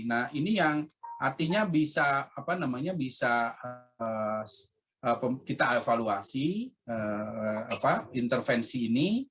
nah ini yang artinya bisa kita evaluasi intervensi ini